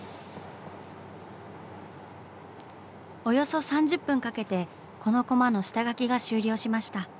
およそ３０分かけてこのコマの下描きが終了しました。